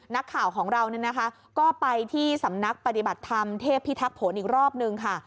นักข่าวของเราก็ไปที่สำนักปฏิบัติธรรมเทพพิทักษ์อีกรอบนึงค่ะ